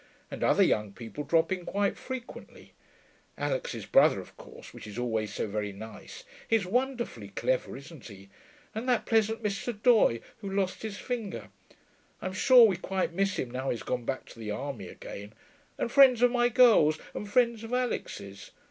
And other young people drop in quite frequently Alix's brother, of course, which is always so very nice he's wonderfully clever, isn't he and that pleasant Mr. Doye, who lost his finger; I'm sure we quite miss him now he's gone back to the army again; and friends of my girls, and friends of Alix's.